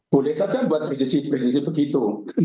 boleh saja buat prediksi prediksi begitu